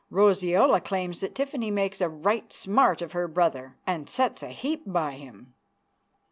Roseola claims that Tiffany makes a right smart of her brother, and sets a heap by him.